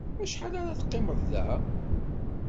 Acḥal ara teqqimeḍ da?